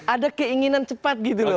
ada keinginan cepat gitu loh